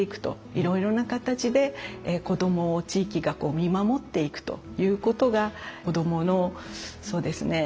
いろいろな形で子どもを地域が見守っていくということが子どものそうですね